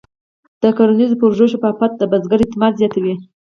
د کرنیزو پروژو شفافیت د بزګر اعتماد زیاتوي.